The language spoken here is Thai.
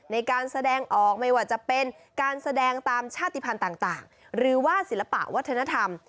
ในการแสดงออกไม่ว่าจะเป็นการแสดงตามชาติภัณฑ์ต่างหรือว่าศิลปะวัฒนธรรม